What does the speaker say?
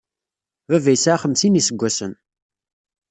Baba yesɛa xemsin n yiseggasen.